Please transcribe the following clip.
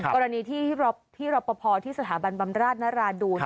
กรณีที่พี่รอปภที่สถาบันบำราชนราดูน